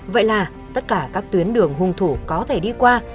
vậy là tất cả các tuyến đường hung thủ có thể đi qua